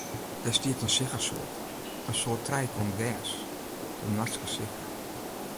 Dêr stiet in siggesoart, in soart trijekant gers, de noardske sigge.